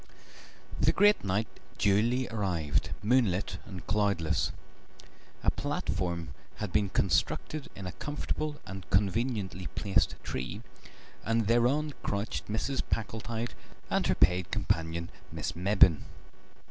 The great night duly arrived, moonlit and cloudless. A platform had been constructed in a comfortable and conveniently placed tree, and thereon crouched Mrs. Packletide and her paid companion, Miss Mebbin.